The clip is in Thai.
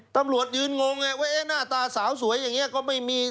ตำรวจยืนงงไงว่าหน้าตาสาวสวยอย่างนี้ก็ไม่มี